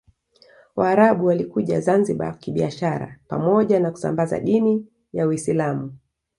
Waarabu walikuja Zanzibar kibiashara pamoja na kusambaza dini ya Uislamu